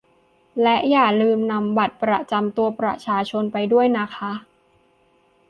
และอย่าลืมนำบัตรประจำตัวประชาชนไปด้วยนะคะ